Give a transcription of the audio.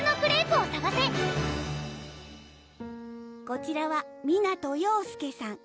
こちらは湊陽佑さん